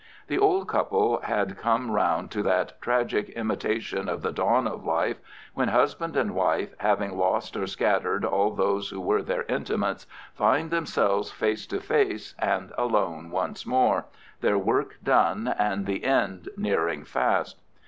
The old couple had come round to that tragic imitation of the dawn of life when husband and wife, having lost or scattered all those who were their intimates, find themselves face to face and alone once more, their work done, and the end nearing fast.